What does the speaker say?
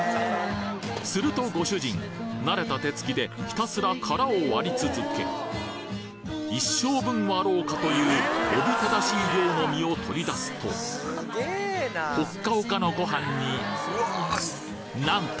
するとご主人慣れた手つきでひたすら殻を割り続け一生分はあろうかというおびただしい量の身を取り出すとほっかほかのご飯になんと！